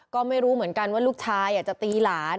ก็ไม่รู้เหมือนกันว่าลูกชายจะตีหลาน